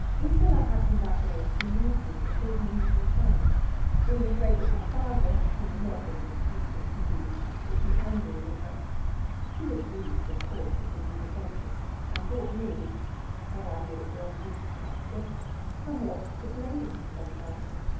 Isola happened that day to leave me before the usual time, being afraid that her father, who was not in his sweetest mood, would be angry with her. She was grieved of course at the new dissension, and thought me (her ideas were of loose texture) somewhat to blame somehow.